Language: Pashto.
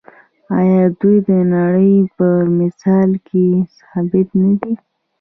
آیا دوی د نړۍ په میراث کې ثبت نه دي؟